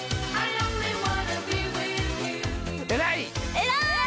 偉い！